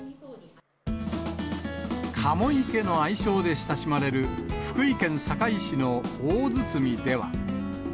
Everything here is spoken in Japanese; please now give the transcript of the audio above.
カモ池の愛称で親しまれる福井県坂井市の大堤では。